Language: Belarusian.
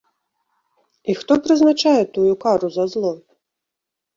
І хто прызначае тую кару за зло?